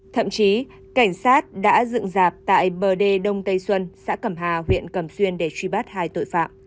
thậm chí cảnh sát đã dựng dạp tại bờ đê đông tây xuân xã cẩm hà huyện cẩm xuyên để truy bắt hai tội phạm